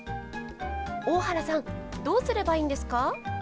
大原さんどうすればいいんですか？